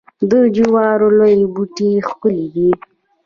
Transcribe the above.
د جوارو لوړ بوټي ښکلي دي.